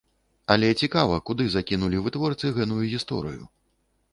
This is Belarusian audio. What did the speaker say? Але цікава, куды закінулі вытворцы гэную гісторыю.